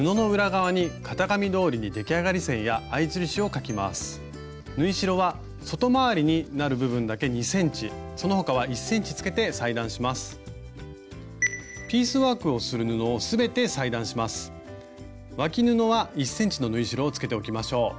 わき布は１ｃｍの縫い代をつけておきましょう。